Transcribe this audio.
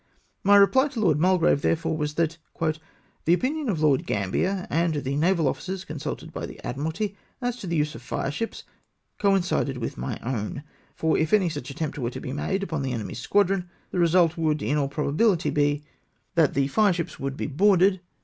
My reply to Lord Mulgrave, therefore, was, that, " the opinion of Lord Gambler, and the naval officers con sulted by the Admiralty, as to the use of fire ships, co incided with my own ; for if any such attempt were made upon the enemy's squadron, the result would in all probabihty be, that the fire ships would be boarded z 4 344 MY PLAN OF ACTION.